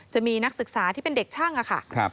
จะมีนักศึกษาที่เป็นเด็กช่างอ่ะค่ะ